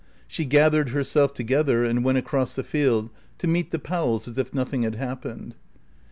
She gathered herself together and went across the field to meet the Powells as if nothing had happened.